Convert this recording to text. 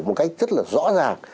một cách rất là rõ ràng